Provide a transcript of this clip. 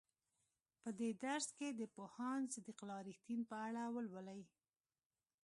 په دې درس کې د پوهاند صدیق الله رښتین په اړه ولولئ.